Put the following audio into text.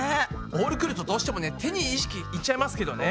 ボール来るとどうしてもね手に意識いっちゃいますけどね。